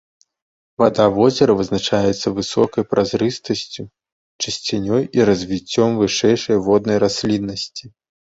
Вада возера вызначаецца высокай празрыстасцю, чысцінёй і развіццём вышэйшай воднай расліннасці.